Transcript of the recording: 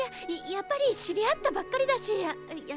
やっぱり知り合ったばっかりだしいや